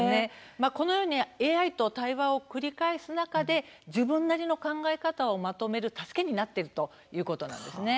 このようにＡＩと対話を繰り返す中で自分なりの考え方をまとめる助けになっているということなんです。